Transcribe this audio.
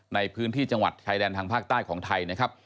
ในพื้นที่จังหวัดชายแดนทางภาคใต้ของไทยนะครับ